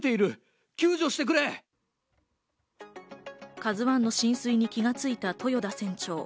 「ＫＡＺＵ１」の浸水に気が付いた豊田船長。